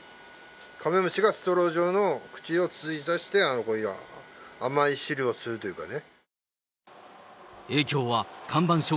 カメムシがストロー状の口を刺して甘い汁を吸うというかね。